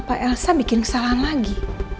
pak elsa bikin kesalahan lagi